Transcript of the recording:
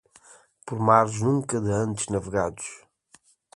Por mares nunca de antes navegados